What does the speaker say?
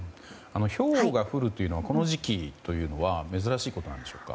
ひょうが降るというのはこの時期は珍しいことなんでしょうか。